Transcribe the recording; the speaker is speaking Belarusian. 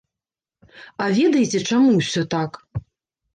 А ведаеце, чаму ўсё так?